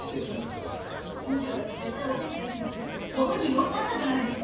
院長だって絶対オペすべきだってご本人におっしゃったじゃないですか。